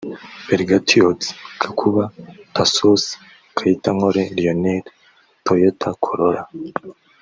Fergadiotis Gakuba Tassos/Kayitankole Lionel (Toyota Corolla